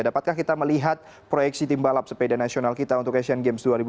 dapatkah kita melihat proyeksi tim balap sepeda nasional kita untuk asian games dua ribu delapan belas